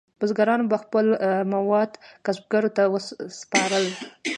بزګرانو به خپل مواد کسبګرو ته سپارل.